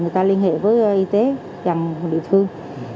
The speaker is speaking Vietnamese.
người ta liên hệ với y tế gần địa phương